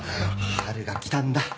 春が来たんだ。